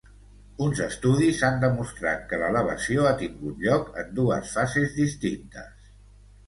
Uns estudis han demostrat que l'elevació ha tingut lloc en dues fases distintes.